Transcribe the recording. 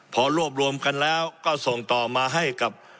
พอรวบรวมกันแล้วก็ส่งต่อมาให้กับ